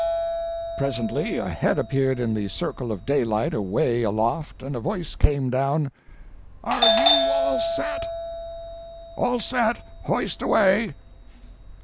Presently a head appeared in the circle of daylight away aloft, and a voice came down: "Are you all set?" "All set hoist away!"